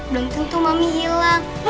udah tentu mami hilang